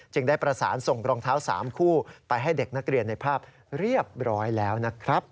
ได้ประสานส่งรองเท้า๓คู่ไปให้เด็กนักเรียนในภาพเรียบร้อยแล้วนะครับ